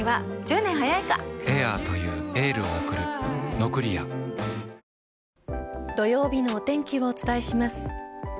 「のどごし生」土曜日のお天気をお伝えします。